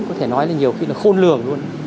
có thể nói là nhiều khi là khôn lường luôn